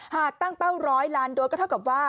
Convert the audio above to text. หากตั้งเป้าร้อยล้านโดสก็เท่ากับว่า